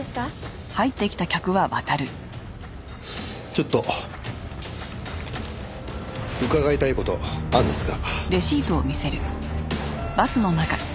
ちょっと伺いたい事あるんですが。